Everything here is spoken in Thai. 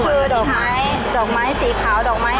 ก็คือดอกไม้ดอกไม้สีขาวดอกไม้